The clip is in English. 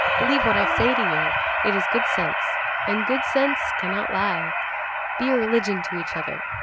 Believe what I say to you. It is good sense. And good sense cannot lie. Be a religion to each other.